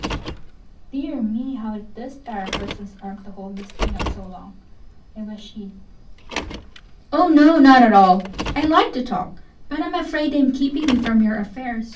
Dear me, how it does tire a person's arm to hold this thing up so long! I wish she'd Pause. Oh no, not at all; I _like _to talk but I'm afraid I'm keeping you from your affairs.